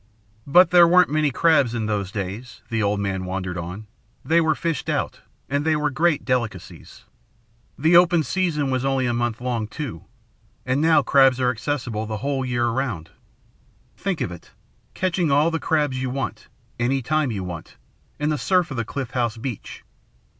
"But there weren't many crabs in those days," the old man wandered on. "They were fished out, and they were great delicacies. The open season was only a month long, too. And now crabs are accessible the whole year around. Think of it catching all the crabs you want, any time you want, in the surf of the Cliff House beach!"